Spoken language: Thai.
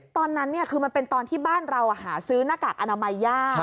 ตอนนั้นคือมันเป็นตอนที่บ้านเราหาซื้อหน้ากากอนามัยยาก